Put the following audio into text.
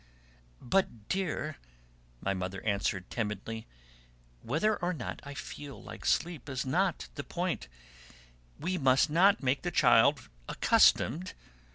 "But dear," my mother answered timidly, "whether or not I feel like sleep is not the point; we must not make the child accustomed..."